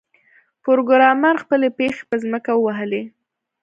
پروګرامر خپلې پښې په ځمکه ووهلې